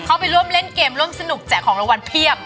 ไปร่วมเล่นเกมร่วมสนุกแจกของรางวัลเพียบ